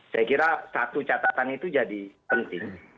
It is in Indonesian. saya kira satu catatan itu jadi penting